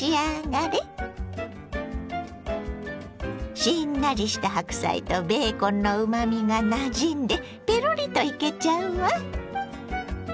しんなりした白菜とベーコンのうまみがなじんでペロリといけちゃうわ。